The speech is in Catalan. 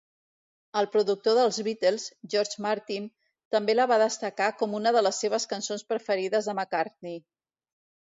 El productor dels Beatles, George Martin, també la va destacar com una de les seves cançons preferides de McCartney.